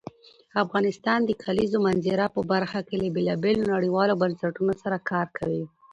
افغانستان د کلیزو منظره په برخه کې له بېلابېلو نړیوالو بنسټونو سره کار کوي.